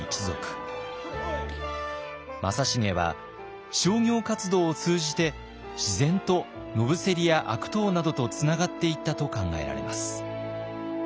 正成は商業活動を通じて自然と野伏や悪党などとつながっていったと考えられます。